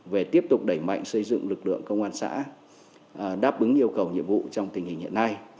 về tiếp tục đẩy mạnh xây dựng lực lượng công an xã đáp ứng yêu cầu nhiệm vụ trong tình hình hiện nay